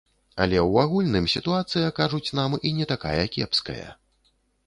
Але ў агульным сітуацыя, кажуць нам, і не такая кепская.